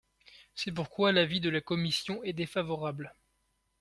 C’est pourquoi l’avis de la commission est défavorable.